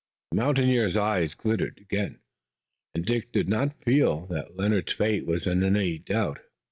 The mountaineer's eyes glittered again, and Dick did not feel that Leonard's fate was in any doubt.